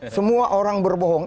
semua orang berbohong